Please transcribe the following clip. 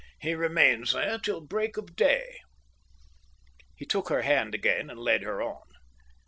"He remains there till the break of day." He took her hand again and led her on.